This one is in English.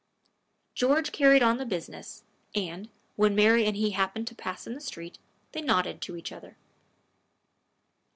George carried on the business; and, when Mary and he happened to pass in the street, they nodded to each other.